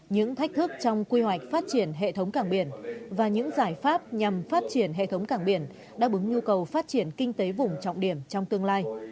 những thách thức trong quy hoạch phát triển hệ thống càng biển và những giải pháp nhằm phát triển hệ thống càng biển đã bứng nhu cầu phát triển kinh tế vùng trọng điểm trong tương lai